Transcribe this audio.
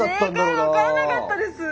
正解分からなかったです。